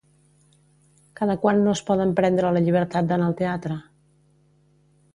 Cada quant no es poden prendre la llibertat d'anar al teatre?